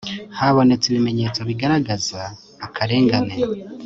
habonetse ibimenyetso bigaragaza akarengane